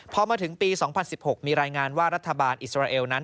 พอมาถึงปี๒๐๑๖มีรายงานว่ารัฐบาลอิสราเอลนั้น